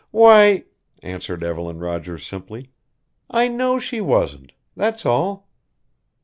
"Why," answered Evelyn Rogers simply, "I know she wasn't that's all."